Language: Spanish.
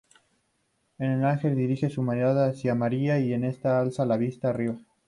El ángel dirige su mirada hacia María y esta alza la vista arriba.